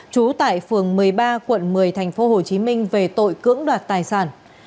trú tại phường một mươi ba quận một mươi tp hồ chí minh về tội cưỡng đoạt tài sản